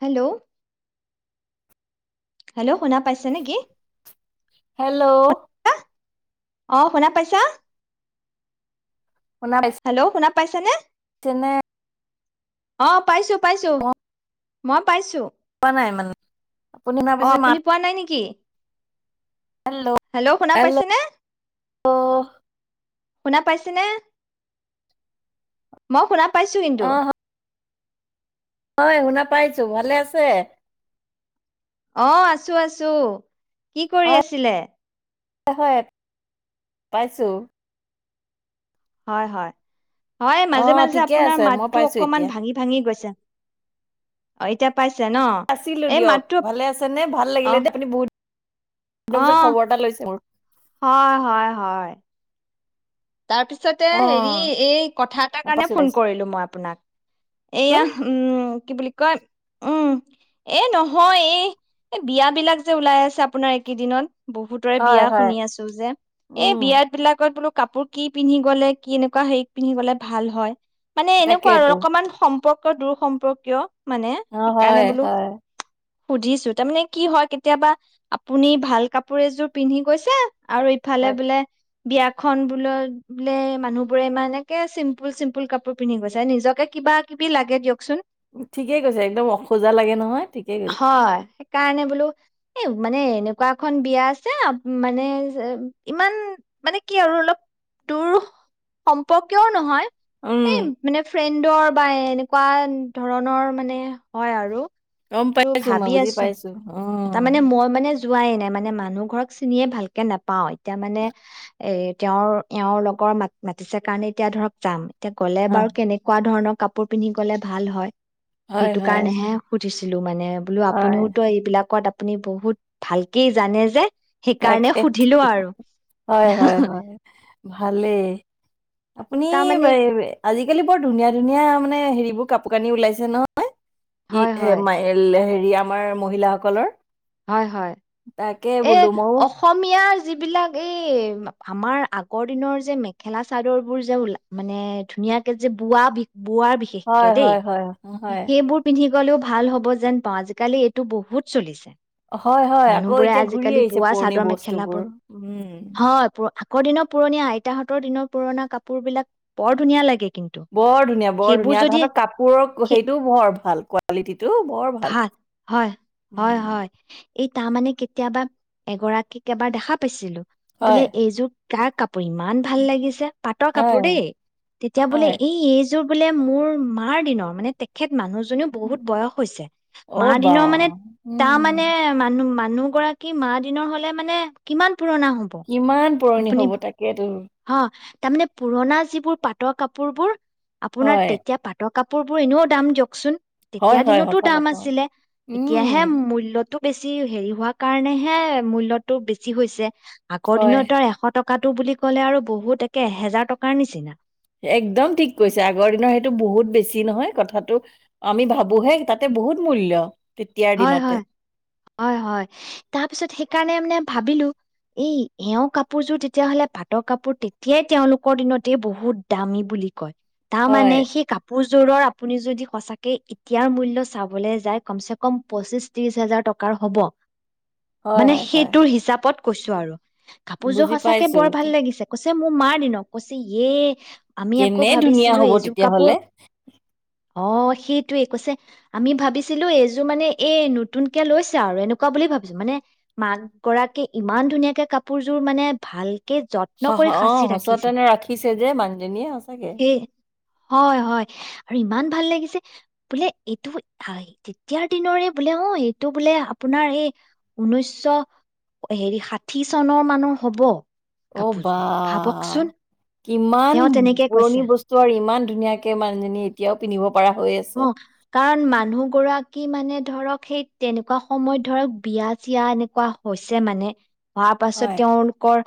Hello hello শুনা পাইছে নেকি হেল্ল' অঁ' শুনা পাইছা? শুনা হেল্ল' শুনা পাইছেনে? পাইছেনে অঁ পাইছো পাইছো, মই মই পাইছো পোৱা নাই মানে [unintelligible] অ, পাইছে মাত আপুনি পোৱা নাই নেকি? হেল্ল' শুনা পাইছেনে? অ শুনা পাইছে নে? মই শুনা পাইছো কিন্তু। অঁ শুনা পাইছো, ভালে আছে? অঁ আছো-আছো কি কৰি হয় আছিলে? হয় পাইছো। হয় হয়। হয় অ মাজে মাজে ঠিকে আপোনাৰ আছে মই মাততো পাইছো অকনমান এতিয়া ভাঙি ভাঙি গৈছে। অ এতিয়া পাইছে ন? আছিলো এই দিয়ক, মাতটো ভালে আছে নে? ভাল অ লাগিলে দে, আপুনি বহুত তাৰ পিছত খবৰ এটা লৈছে মোৰ। হয়-হয়-হয়। তাৰ পিছতে অ হেৰি এই কথা এটাৰ কাৰণে পাইছো ফোন পাইছো কৰিলো মই আপোনাক, চোন এইয়া, উম কি বুলি কয়, উম' এ নহয়, এই বিয় বিলাক যে ওলাই আছে আপোনাৰ এইকেইদিনত বহুতৰে হয় বিয়া হয় শুনি আছো যে, এই উম বিয়াত বিলাকত বোলো কাপোৰ কি পিন্ধি গলে কি এনেকুৱা হেৰিত পিন্ধি গলে ভাল হয় মানে এনেকুৱা আৰু তাকেইতো অকমান সম্পৰ্ক দূৰ সম্পৰ্কীয় মানে অঁ, সেইকাৰণে হয় বোলো হয়। সুধিছো, তাৰমানে কি হয় কেতিয়াবা আপুনি ভাল কাপোৰ এযোৰ পিন্ধি গৈছে আৰু ইফালে হয় বোলে বিয়াখন বোলই বোলে মানুহ বোৰে ইমান একে চিম্পুল-চিম্পুল কাপোৰ পিন্ধি গৈছে, নিজকে কিবা কিবি লাগে দিয়কচোন। ঠিকেই কৈছে, একদম অসোজা লাগে নহয়, ঠিকেই কৈছে। কাৰণে, ঋবোলো এই মানে এনেকুৱা এখন বিয়া আছে, মানে ইমান মানে কি আৰু অলপ দৰ সম্পৰ্কীয়ও নহয় উম এই মানে ফ্ৰে ন্দৰ বা এনেকুৱা ধৰণৰ মানে হয় আৰু গম বোলো পাইছো মই ভাবি বুজি আছো পাইছো উ তাৰ মানে মই মানে যোৱাই নাই মানে মানুহ ঘৰক চিনিয়ে ভালকে নাপাও এতিয়া মানে এ তেওঁৰ এওঁৰ লগৰ মা মাতিছে কাৰণে এতিয়া ধৰক যাম এতিয়া ক'লে অ বাৰু কেনেকুৱা ধৰণৰ কাপোৰ পিন্ধি গলে ভাল হয় হয়, সেইটো হয়, কাৰণেহে উঠিছিলোঁ মানে বোলো হয়। আপুনিও তো এইবিলাকত আপুনি বহুত ভালকেই জানে যে সেইকাৰণে তাকে। সুধিলো আৰু ভালে আপুনি তাৰমানে আজি আজিকালি বৰ ধুনীয়া ধুনীয়া মানে হেৰিবোৰ কাপোৰ কানি ওলাইছে ন ে হয় হয় [unintelligible] ম হেৰি আমাৰ মহিলাসকলৰ হয় হয় তাকে এই বোলো ময়ো অসমীয়াৰ যিবিলাক এই আমাৰ আগৰ দিনৰ যে মেখেলা চাদৰ বোৰ যে ওলা মানে ধুনীয়াকে যে বোৱা বোৱাৰ বিশেষকে হয়, দেই হয়, হয়, হয়। সেইবোৰ পিন্ধি গ'লেও ভাল হ'ব যেন পাওঁ আজিকালি এইটো বহুত চলিছে হয় হয় আকৌ মানুহবোৰে এতিয়া ঘূৰি আজিকালি আহিছে বোৱা পুৰণি চাদৰ বস্তুবোৰ মেখেলাবোৰ উম হয় পুৰ- আগৰ দিনৰ পুৰণীয়া আইতাহঁতৰ দিনৰ পুৰণা কাপোৰ বিলাক বৰ ধুনীয়া লাগে কিন্তু বৰ ধুনীয়া বৰ সেইবোৰ ধুনীয়া যদি তাহতৰ কাপোৰৰ সেই সেইটোও বৰ ভাল কোৱালিটিটো ভাল হয় হয় উম, হয় এই তাৰ মানে কেতিয়াবা এগৰাকীক এবাৰ দেখা পাইছিলো বোলে হয়, এইযু তাৰাক কাপোৰ ইমান ভাল লাগিছে পাটৰ কাপোৰ হয়, দেই তেতিয়া বোলে হয়। এই এই জৰ বোলে মোৰ, মাৰ দিনৰ। মানে তেখেত মানুহজনীও বহুত বয়স হৈছে। মা অ' বা! দিনৰ মানে, তাৰ উম। মানে মান মানুহগৰাকী মা দিনৰ হ'লে মানে কিমান পুৰণা হব কিমান পুৰণি হ'ব তাকেতো। হ, তাৰমানে পুৰণা যিবোৰ পাটৰ কাপোৰবোৰ আপোনাৰ হয়, তেতিয়া পাতক কাপোৰবোৰ এনেও দাম দিয়কচোন। হয়, তেতিয়া হয়, দিনতো সঁচা দাম কথা। আছিলে। উম, এতিয়াহে মূল্যটো বেছি হেৰি হোৱাৰ কাৰণেহে মূল্যটো বেছি হৈছে। আগৰ হয়, দিনৰ তা এশ টক কাটু বুলি ক'লে আৰু বহুত একে এহেজাৰ টকাৰ নিচিনা। একদম ঠিক কৈছা, আগৰ দিনৰ সেইটো বহুত বেছি নহয়। কথাটো, আমি ভাবোহে তাতে বহুত মূল্য। তেতিয়াৰ দিনতে হয়-হয়, হয়-হয়। অহ, তাৰপিছত সেইকাৰণে মানে ভাবিলোঁ। এই এওঁৰ কাপোৰযোৰ তেতিয়াহলে পাটৰ কাপোৰ, তেতিয়াই তেওঁলোকৰ দিনতে বহুত দামী বুলি কয়, তাৰ হয়, মানে সেই কাপোৰযোৰৰ আপুনি যদি সচাকে এতিয়াৰ মূল্য চাবলৈ যায়। কমচে-ক কম পঁচিশ-ত্ৰিশ হাজাৰ টকাৰ হ'ব হয়, মানে হয়, হয়, সেইটোৰ হয়। হিচাপত কৈছো আৰু কাপোৰযোৰ বুজি সঁচাকে পাইছো বৰ ভাল লাগিছে। কৈছ যে মোৰ মাৰ দিনৰ, কৈছে ইয়ে আমি আকৌ কেনে ধুনীয়া ভাবিছিলোঁ হ'ব, এইযোৰ কাপোৰ তেতিয়াহলে অ', সেইটোৱে কৈছে আমি ভাবিছিলোঁ এই যো যোৰ, মানে এই নতুন কে লৈছে আৰু এনেকুৱা বুলি ভাবিছোঁ, মানে মাকগৰাকী ইমান ধুনীয়াকে কাপোৰযোৰ, মানে ভাল হ, অ', সচেতন ৰাখিছে যে মানুহজনীয়ে সঁচাকে। হয়-হয় আৰু ইমান ভাল লাগিছে। বোলে এইটো এই তেতিয়াৰ দিনৰে বোলে অ', এইটো বোলে, আপোনাৰ এই ঊনৈশ হেৰি ষাঠি চনৰ মানৰ হ'ব। অ', কাপোৰযোৰ বাহহ্ ভাবকচোন কিমান তেওঁ তেনেকে কৈছে পুৰণি বস্তু আৰু ইমান ধুনীয়াকে মানুহজনী এতিয়াও পিন্ধিব পৰা হৈ আছ অহ, কাৰণ মানুহ গৰাক বাকি মানে ধৰক সেই তেনেকুৱা সময়ত ধৰক বিয়া-চিয়া এনেকুৱা হৈছে মানে হোৱা পাছত হয়, তেওঁলোকৰ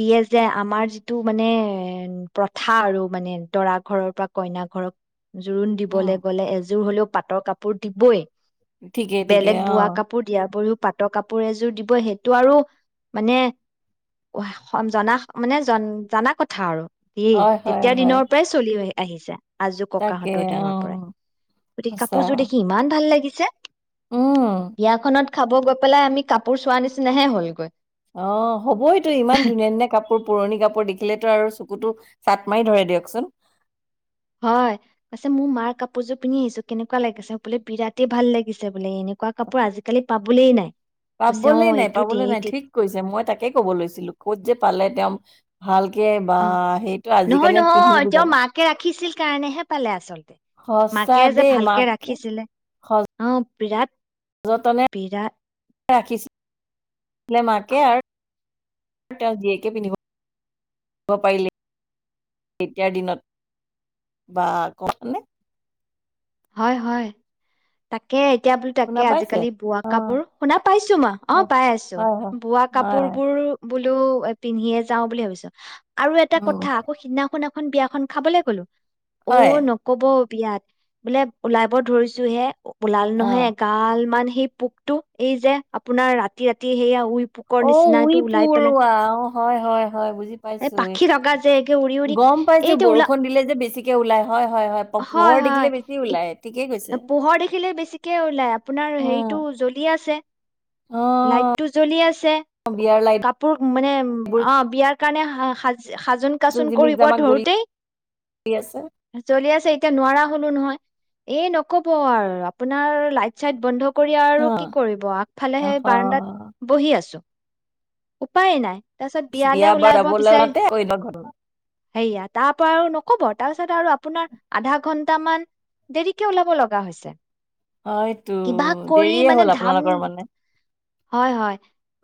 দিয়ে যে আমাৰ যিটো মানে এ প্ৰথা আৰু মানে দৰা ঘৰৰ পৰা কইনা ঘৰক জোৰোণ উম, কবলৈ গ'লে এযোৰ হলেও পাটৰ কাপ কাপোৰ দিবই ঠিকেই বেলেগ ঠিকেই অ'। বোৱা কাপোৰ দিয়াৰ ওপৰিও পাটৰ কাপোৰ এযোৰ দিব সেইটো আৰু মানে জনা মানে জ জনা কথা আৰু উম হয়, হয়, তেতিয়া হয়। দিনৰ পৰাই চলি আ আহিছা। আজো তাকে, ককাহঁতৰ দিনৰ অ', গতিকে সঁচা। কাপোৰযোৰ দেখি ইমান ভাল লাগিছে। চে উম, বিয়াখনত খাব গৈ পেলাই আমি কাপোৰ চোৱাৰ নিচিনাহে হ'লগৈ। অ হ'ব এই তটো ইমান ধুনীয়া ধুনীয়া কাপোৰ পুৰণি কাপোৰ দেখিলে তো আৰু কুতো চাট মাৰি ধৰে দিয়কচোন হয় পছে মোৰ মাৰ কাপোৰযোৰ পিন্ধি আহিছো কেনেকুৱা লাগিছে বোলে বিৰাট ভাল লাগিছে বোলে এনেকুৱা কাপোৰ আজিকালি পাবলে নাই। কৈছে অ পাবলে নাই এইটো পাবলৈ নাই দে ঠিক কৈছে মই তাকে কব লৈছিলো ক'ত যে পালে তেওঁ। ভালক অ নহয় নহয় তেওঁ যাব। মাকে ৰাখিছিল কাৰণেহে পালে আচলতে সঁচা মাকে যে দেই, ভালকে মাকে ৰাখিছিলে অ বিৰাট হযতনে বিৰাট ৰাখিছিলে মাকে আৰু তেওঁ জীয়েকে পিন্ধিব পাৰিলে তেতিয়াৰ দিনত বা ক নে। হয় হয় তাকে। এতিয়া বোলো তাকে শুনা পাইছে? আজিকালি বোৱা অ', কাপোৰ শুনা পাইছো মা অ হয়, পাই আছো হয়, হয়, বোৱা হয়, কাপোৰ হয় বোৰ বোলো পিন্ধিয়ে যাও বুলি ভাবিছো। আৰু এটা উম। কথা আকৌ সিদিনা শুনা আকৌ খন বিয়াখন খাবলৈ গ'লো। অ হয় নকব। বিয়াত বোলে ওলাব ধৰিছোহে। ওলাল অ নহয় এগাল মান সেই পোকটো এই যে আপোনাৰ ৰাতি ৰাতি সেয়া উই পোকৰ অ নিচিনা উই এইটো ওলাই পেলাই পৰুৱা অ হয় হয় হয় বুজি এই পাইছো ঐ পাখি থকা যে একে উৰি উৰি গম পাইছো এইটো ওলা বৰষুণ দিলে যে বেছিকে ওলাই হয় হয় হয় পোহৰ দেখিলে বেছি। ওলাই ঠিকেই কৈছে পোহৰ দেখিলে বেছিকে ওলাই আপোনাৰ উম, হেৰিটো জ্বলিয়ে আছে। অ লাইটটো জ্বলি আছে বিয়াৰ কাপোৰ মানে লাইটবোৰ অ বিয়াৰ কাৰণে সা সা সাজোন কাচোন জিমিক কৰিব জামাক জ্বলি ধৰোতেই আছে জ্বলি আছে। এ নোৱাৰা হ'লো নহয়। এ নকব আৰু আপোনাৰ লাইট চাইট বন্ধ। কৰি অ আৰু কি কৰিব আগফালে অ সেই বাৰেন্দাত বহি আছো উপায় নাই তাৰ পিছত বিয়া বিয়ালে বাৰু ওলাব যাবলৈ বিচাৰি সেয়া তাৰ পৰা আৰু নকব তাৰপিছত আৰু আপোনাৰ আধা ঘন্ট মান দেৰিকে ওলাব লগা হৈছে হয়তু কিবা কৰি দেৰিয়ে মানে হ'ল ধাম আপোনালোকৰ মানে হয় হয়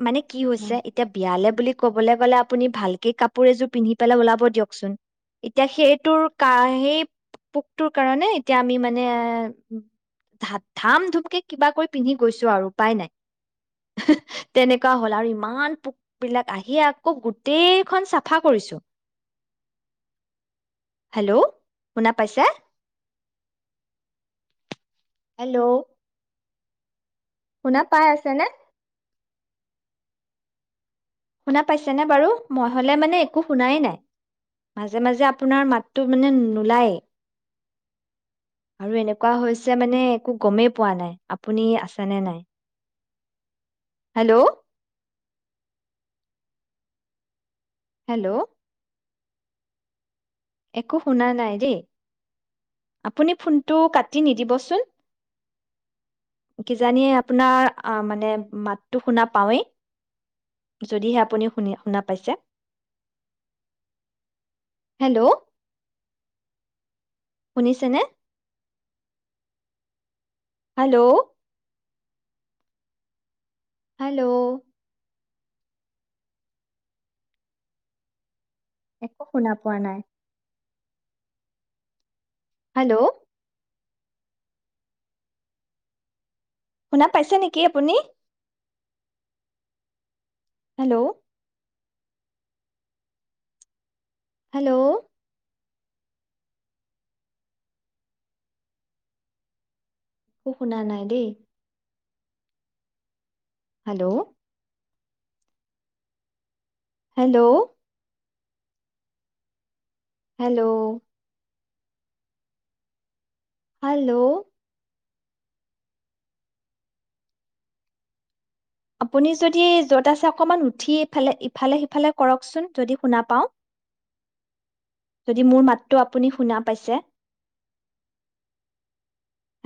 মানে কি হৈছে এতিয়া বিয়া ভালে বুলি কবলৈ গলে আপুনি ভালকে কাপোৰ এযোৰ পিন্ধি পেলাই ওলাব দিয়কচোন এতিয়া সেইটোৰ ক সেই পোকটোৰ কাৰণে এতিয়া আমি মানে ধাম ধুমকে কিবা কৰি পিন্ধি গৈছো আৰু উপাই নাই তেনেকুৱা হল আৰু ইমান পোকবিলাক আহি আকৌ গোটেইখন চাফা কৰিছো হেল্ল' শুনা পাইছে হেল্ল' শুনা পাই আছে নে শুনা পাইছেনে বাৰু মই হলে মানে একো শুনাই নাই মাজে মাজে আপোনাৰ মাতটো মানে নোলায়েই আৰু এনেকুৱা হৈছে মানে একো গমেই পোৱা নাই আপুনি আছেনে নাই হেল্ল' হেল্ল' একো শুনা নাই দেই আপুনি ফোনটো কাটি নিদিবচোন কিজানি আপোনাৰ মানে মাতটো শুনা পাওঁৱেই যদিহে আপুনি শুনি শুনা পাইছে হেল্ল' শুনিছেনে হেল্ল' হেল্ল' একো শুনা পোৱা নাই হেল্ল' শুনা পাইছে নেকি আপুনি হেল্ল' হেল্ল' একো শুনা নাই দেই হেল্ল' হেল্ল' হেল্ল' হেল্ল' আপুনি যদি য'ত আছে অকণমান উঠি ইফালে ইফালে সিফালে কৰকচোন যদি শুনা পাওঁ যদি মোৰ মাতটো আপুনি শুনা পাইছে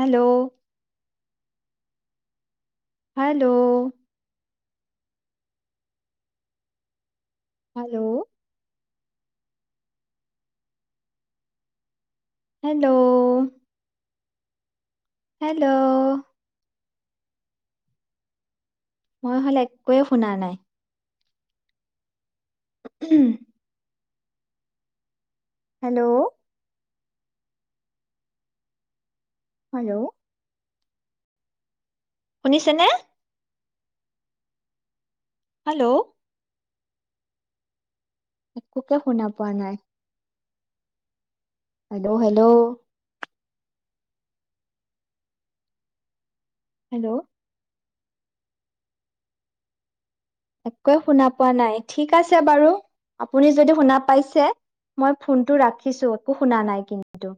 hello hello hello hello hello মই হলে একোৱে শুনা নাই উম হেল্ল' হেল্ল' শুনিছে নে হেল্ল' একোকে শুনা পোৱা নাই হেল্ল' হেল্ল' হেল্ল' একোৱে শুনা পোৱা নাই ঠিক আছে বাৰু আপুনি যদি শুনা পাইছে মই ফোনটো ৰাখিছো একো শুনা নাই কিন্তু